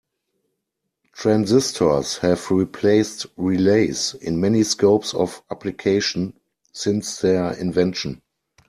Transistors have replaced relays in many scopes of application since their invention.